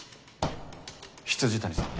未谷さん